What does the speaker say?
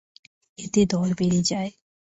এতে দর বেড়ে যায়।